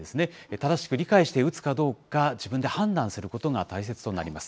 正しく理解して打つかどうか、自分で判断することが大切となります。